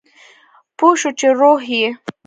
پوه شو چې روح یې